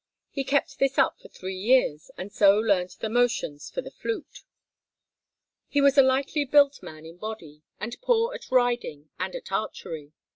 He kept this up for three years and so learned the motions for the flute. He was a lightly built man in body, and poor at riding and at archery.